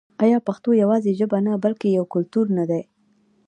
آیا پښتو یوازې ژبه نه بلکې یو کلتور نه دی؟